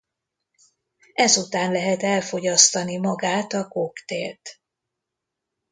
Ezután lehet elfogyasztani magát a koktélt.